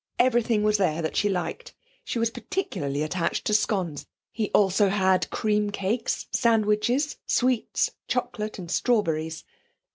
Everything was there that she liked. She was particularly attached to scones; he also had cream cakes, sandwiches, sweets, chocolate and strawberries.